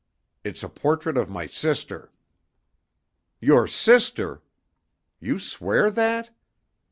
It's a portrait of my sister." "Your sister! You swear that?"